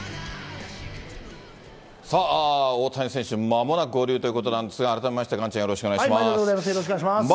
さあ、大谷選手、まもなく合流ということなんですが、改めましてガンちゃん、毎度よろしくお願いします。